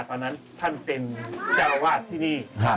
ตอนนั้นท่านเป็นเจ้าอาวาสที่นี่